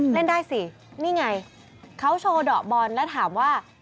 เล่นได้สินี่ไงเขาโชว์เดาะบอลแล้วถามว่า